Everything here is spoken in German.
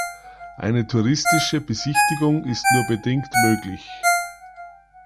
Eine touristische Besichtigung ist nur bedingt möglich.